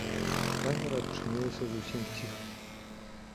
Камера адчынілася зусім ціха.